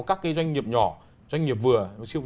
các doanh nghiệp nhỏ doanh nghiệp vừa